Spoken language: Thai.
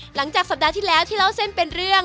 หลังจากสัปดาห์ที่แล้วที่เล่าเส้นเป็นเรื่อง